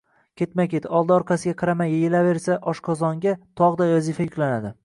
Ketma-ket, oldi-orqasiga qaramay yeyilaversa, oshqozonga tog‘day vazifa yuklanadi.